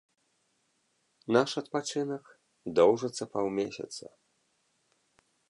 Наш адпачынак доўжыцца паўмесяца.